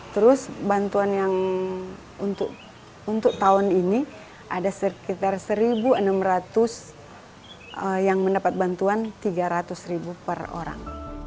terus bantuan yang untuk tahun ini ada sekitar satu enam ratus yang mendapat bantuan rp tiga ratus per orang